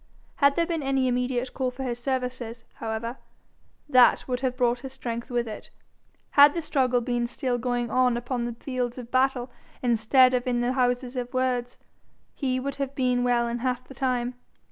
Had there been any immediate call for his services, however, that would have brought his strength with it. Had the struggle been still going on upon the fields of battle instead of in the houses of words, he would have been well in half the time.